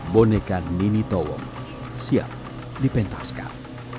boneka nini towo siap dipentaskan